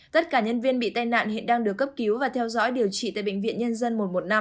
tất cả nhân viên bị tai nạn hiện đang được cấp cứu và theo dõi điều trị tại bệnh viện nhân dân một trăm một mươi năm